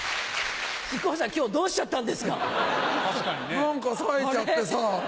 何かさえちゃってさ。